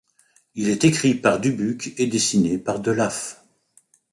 Il est écrit par Dubuc et dessiné par Delaf.